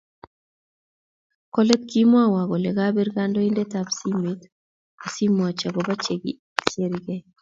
Kolet, kimwowo kole kapir kandoindet simet asiomwochi akopa chekikiker